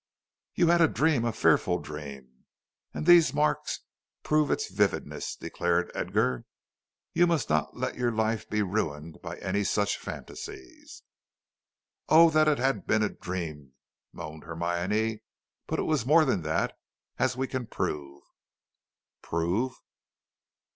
"You had a dream, a fearful dream, and these marks prove its vividness," declared Edgar. "You must not let your life be ruined by any such fantasies." "Oh, that it had been a dream," moaned Hermione, "but it was more than that, as we can prove." "Prove?"